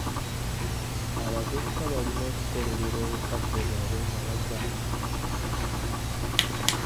Abavubuka balina okukolerera obukadde bwabwe nga bakyalina amaanyi.